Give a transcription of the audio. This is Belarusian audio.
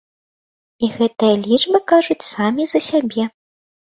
І гэтыя лічбы кажуць самі за сябе.